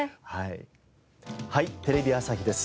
『はい！テレビ朝日です』